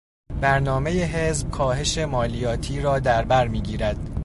برنامهی حزب کاهش مالیاتی را دربر میگیرد.